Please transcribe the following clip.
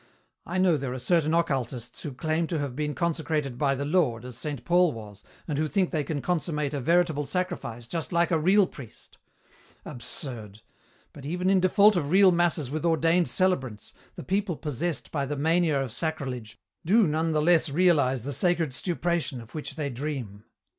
I know there are certain occultists who claim to have been consecrated by the Lord, as Saint Paul was, and who think they can consummate a veritable sacrifice just like a real priest. Absurd! But even in default of real masses with ordained celebrants, the people possessed by the mania of sacrilege do none the less realize the sacred stupration of which they dream.